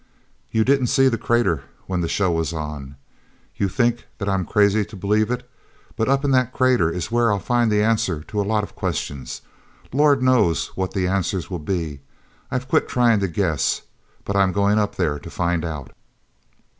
"You didn't see the crater when the show was on. You think that I'm crazy to believe it, but up in that crater is where I'll find the answer to a lot of questions. Lord knows what that answer will be. I've quit trying to guess. I'm just going up there to find out."